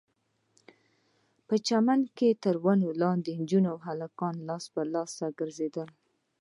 په چمن کښې تر ونو لاندې نجونې او هلکان لاس په لاس سره ګرځېدل.